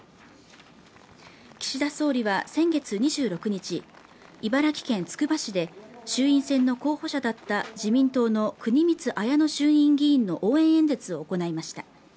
岸田総理は先月２６日、茨城県つくば市で衆院選の候補者だった自民党の国光文乃衆院議員の応援演説を行いました。